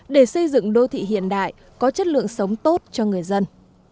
để xây dựng đô thị hiện đại có chất lượng sống tốt cho người dân